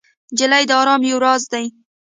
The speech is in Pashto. نجلۍ د ارامۍ یو راز دی.